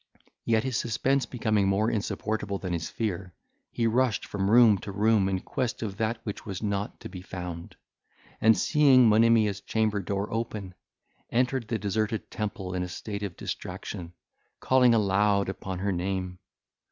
Yet his suspense becoming more insupportable than his fear, he rushed from room to room in quest of that which was not to be found; and, seeing Monimia's chamber door open, entered the deserted temple in a state of distraction, calling aloud upon her name.